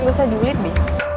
gak usah julid bi